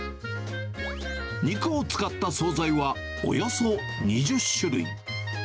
肉を使った総菜はおよそ２０種類。